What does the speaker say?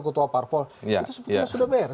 ketua parpol itu sebetulnya sudah bayar